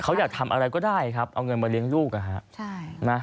เขาอยากทำอะไรก็ได้ครับเอาเงินมาเลี้ยงลูกนะฮะ